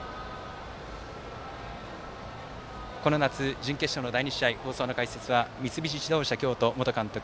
この夏、準決勝の第２試合放送の解説は三菱自動車京都元監督